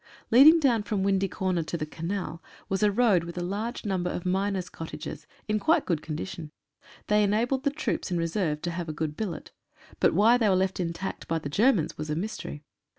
Leading down from Windy Corner to the Canal was a road with a large number of miners' cottages, in quite good condition. They enabled the troops in re serve to have a good billet, but why they were left intact EFFECTS OF GUNNERY. by the Germans was a mystery.